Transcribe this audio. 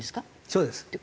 そうです。